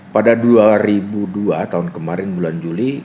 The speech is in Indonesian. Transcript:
pada dua ribu dua tahun kemarin bulan juli